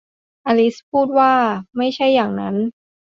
อลิซพูดว่า ไม่ใช่อย่างนั้น